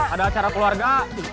ada acara keluarga